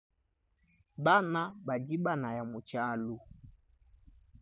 Bana badi banaya mu tshialu.